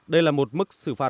đây là một mức xử phạt